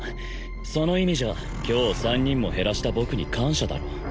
その意味じゃ今日３人も減らした僕に感謝だろ